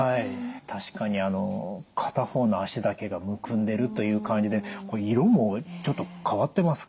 確かに片方の脚だけがむくんでるという感じでこれ色もちょっと変わってますか？